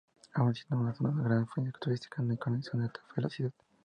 Aun siendo una zona de gran afluencia turística, no hay conexión de alta velocidad.